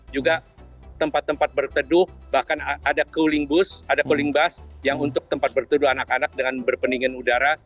juga tempat tempat berteduh bahkan ada cooling bus ada cooling bus yang untuk tempat berteduh anak anak dengan berpendingin udara